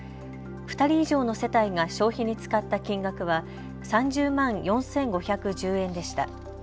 ２人以上の世帯が消費に使った金額は３０万４５１０円でした。